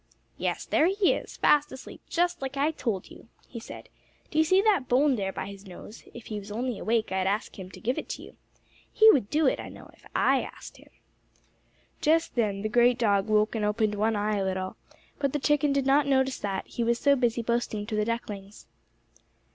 "Yes, there he is, fast asleep, just like I told you," he said. "Do you see that bone there by his nose? If he was only awake I'd ask him to give it to you. He would do it I know, if I asked him." Just then the great dog woke and opened one eye a little, but the chicken did not notice that, he was so busy boasting to the ducklings.